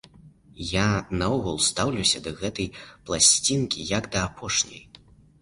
Я наогул стаўлюся да гэтай пласцінкі, як да апошняй.